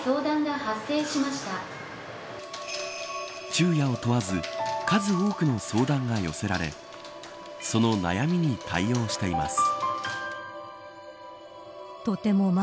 昼夜を問わず数多くの相談が寄せられその悩みに対応しています。